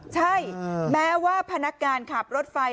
ใช่แม้ว่าพนักงานขับรถไฟ